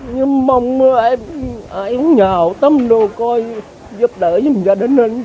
nhưng mong em em nhà hậu tâm đồ coi giúp đỡ giúp gia đình anh